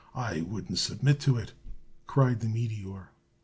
I wouldn't submit to it!" cried the meteor.